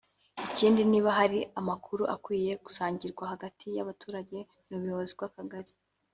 ikindi niba hari amakuru akwiye gusangirwa hagati y’abaturage n‘ubuyobozi bw’Akagari